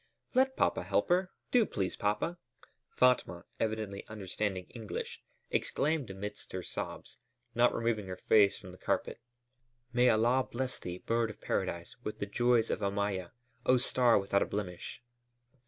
"Let papa help her! Do please, papa!" Fatma, evidently understanding English, exclaimed amidst her sobs, not removing her face from the carpet: "May Allah bless thee, bird of paradise, with the joys of Omayya, oh, star without a blemish!"